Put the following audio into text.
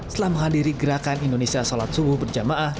setelah menghadiri gerakan indonesia sholat subuh berjamaah